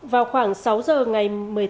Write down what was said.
vào khoảng ngày hôm nay